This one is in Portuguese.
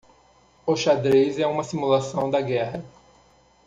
O xadrez é uma simulação da guerra.